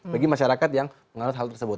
bagi masyarakat yang mengawal hal tersebut